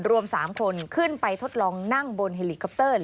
รวม๓คนขึ้นไปทดลองนั่งบนเฮลิคอปเตอร์